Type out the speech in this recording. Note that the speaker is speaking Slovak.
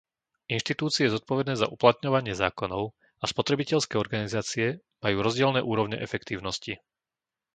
Inštitúcie zodpovedné za uplatňovanie zákonov a spotrebiteľské organizácie majú rozdielne úrovne efektívnosti.